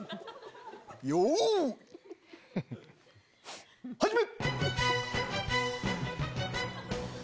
よい始め！